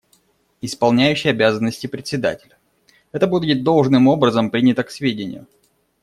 Исполняющий обязанности Председателя: Это будет должным образом принято к сведению.